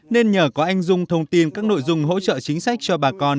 nên nhờ có anh dung thông tin các nội dung hỗ trợ chính sách cho bà con